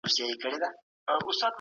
ایا ځايي کروندګر چارمغز اخلي؟